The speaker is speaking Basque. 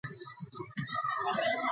Arma debekatua zibilen aurka.